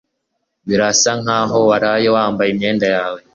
Birasa nkaho waraye wambaye imyenda yawe